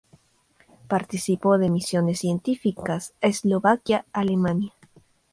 Participó de misiones científicas a Eslovaquia, Alemania.